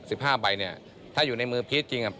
สิบห้าใบเนี่ยถ้าอยู่ในมือพีชจริงอ่ะ